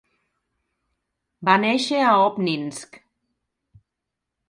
Va néixer a Óbninsk.